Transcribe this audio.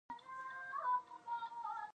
د څاڅکو، څاڅکو د جمال سفر